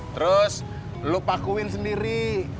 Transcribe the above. terus lo pakuin sendiri